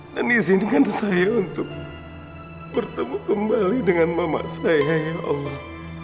dan izinkan saya untuk bertemu kembali dengan mama saya ya allah